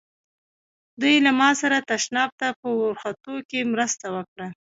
دوی له ما سره تشناب ته په ورختو کې مرسته وکړه.